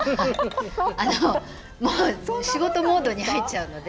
仕事モードに入っちゃうので。